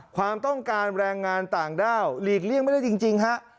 ความต้องการแรงงานต่างด้าวหลีกเลี่ยงไม่ได้จริงฮะ